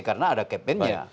karena ada capman nya